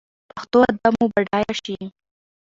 پښتو ادب مو بډایه شي.